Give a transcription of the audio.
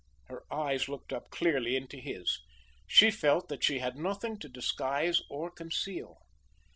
Her eyes looked up clearly into his. She felt that she had nothing to disguise or conceal.